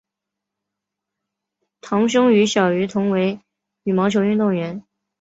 堂兄于小渝同为羽毛球运动员。